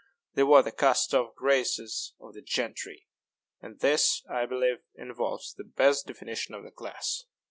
They wore the cast off graces of the gentry; and this, I believe, involves the best definition of the class.